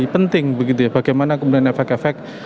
penting begitu ya bagaimana kemudian efek efek